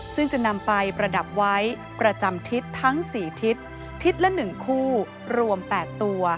ซึ่งจะนำไปประดับไว้ประจำทิศทั้ง๔ทิศทิศละ๑คู่รวม๘ตัว